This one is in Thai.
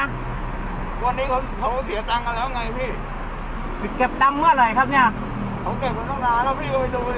เขาเสียเงินกันแล้วอย่างไรพี่